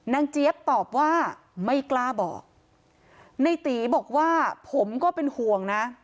เจี๊ยบตอบว่าไม่กล้าบอกในตีบอกว่าผมก็เป็นห่วงนะ